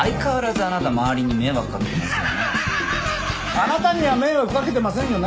あなたには迷惑かけてませんよね！？